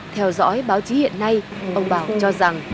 theo dõi báo chí hiện nay ông bảo cho rằng